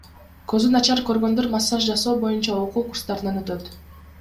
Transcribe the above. Көзү начар көргөндөр массаж жасоо боюнча окуу курстарынан өтөт.